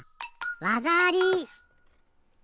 わざあり！